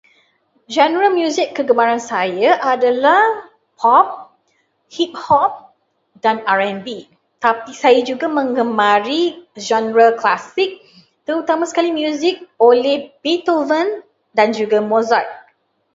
Genre muzik kegemaran saya adalah pop, hip hop dan R&B. Tapi saya juga menggemari genre klasik, terutama sekali muzik oleh Beethoven dan juga Mozart.